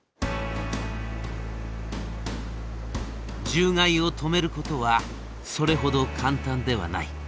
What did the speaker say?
獣害を止めることはそれほど簡単ではない。